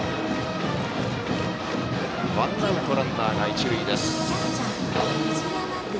ワンアウト、ランナー、一塁です。